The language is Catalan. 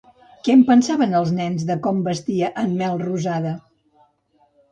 Què pensaven els nens de com vestia en Melrosada?